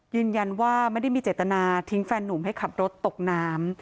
ยืนยันว่าไม่ได้มีเจตนาทิ้งแฟนหนุ่มให้ขับรถตกน้ำ